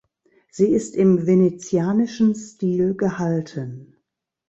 Sie ist im venezianischen Stil gehalten.